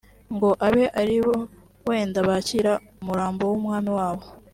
ngo abe ari bo wenda bakira umurambo w’umwami wabo